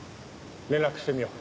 連絡してみよう。